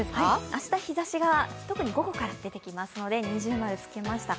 明日日ざしが特に午後から出てきますので◎をつけました。